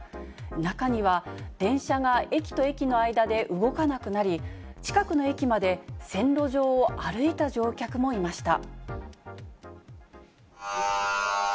中には、電車が駅と駅の間で動かなくなり、近くの駅まで線路上を歩いた乗客もいました。